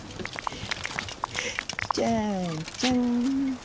ちゃーちゃん。